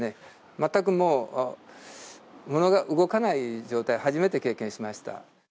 全くもう、物が動かない状態、初めて経験しました。